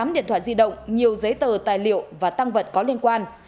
một mươi tám điện thoại di động nhiều giấy tờ tài liệu và tăng vật có liên quan